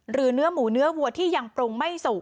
เนื้อหมูเนื้อวัวที่ยังปรุงไม่สุก